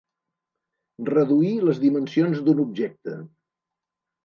Reduir les dimensions d'un objecte.